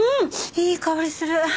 いい香りする。